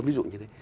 ví dụ như thế